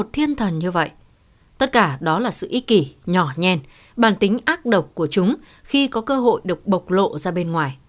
tất cả đó là sự ý kỷ nhỏ nhen bản tính ác độc của chúng khi có cơ hội được bộc lộ ra bên ngoài